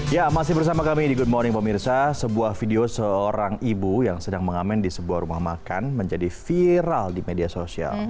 ya masih bersama kami di good morning pemirsa sebuah video seorang ibu yang sedang mengamen di sebuah rumah makan menjadi viral di media sosial